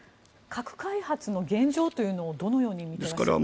核開発の現状というのをどのように見ていますか？